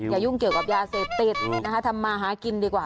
ยุ่งเกี่ยวกับยาเสพติดนะคะทำมาหากินดีกว่า